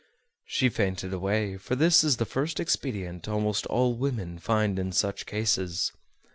She fainted away, for this is the first expedient almost all women find in such cases.